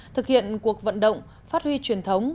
thực hiện cuộc vận động phát huy truyền thống